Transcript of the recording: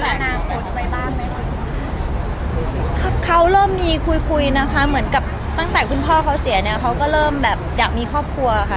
อนาคตไปบ้านไหมคะเขาเริ่มมีคุยคุยนะคะเหมือนกับตั้งแต่คุณพ่อเขาเสียเนี่ยเขาก็เริ่มแบบอยากมีครอบครัวค่ะ